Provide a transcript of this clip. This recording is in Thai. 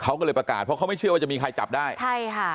เขาก็เลยประกาศเพราะเขาไม่เชื่อว่าจะมีใครจับได้ใช่ค่ะ